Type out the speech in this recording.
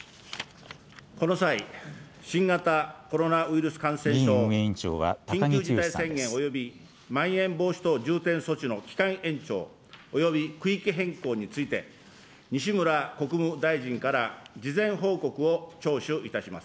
この際、新型コロナウイルス感染議院運営委員長は、高木毅さまん延防止等重点措置の期間延長および区域変更について、西村国務大臣から事前報告を聴取いたします。